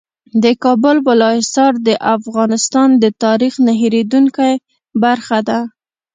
د کابل بالا حصار د افغانستان د تاریخ نه هېرېدونکې برخه ده.